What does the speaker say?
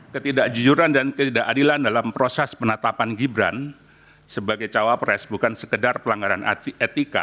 ketidakjujuran dan ketidakadilan dalam proses penetapan gibran sebagai cawapres bukan sekedar pelanggaran etika